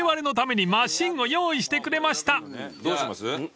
どうします？